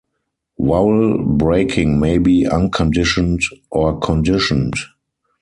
Vowel breaking may be unconditioned or conditioned.